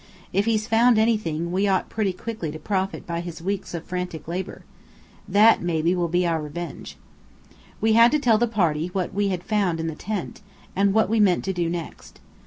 If he's found anything, we ought pretty quickly to profit by his weeks of frantic labour. That, maybe, will be our revenge." We had to tell the party what we had found in the tent, and what we meant to do next.